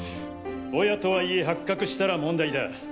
ボヤとはいえ発覚したら問題だ。